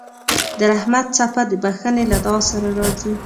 د رحمت څپه د بښنې له دعا سره راځي.